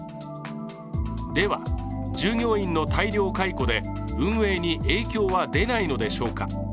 では、従業員の大量解雇で運営に影響は出ないのでしょうか。